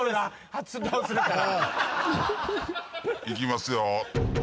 いきますよ。